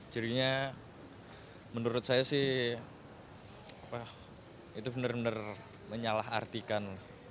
jadinya menurut saya sih itu benar benar menyalah artikan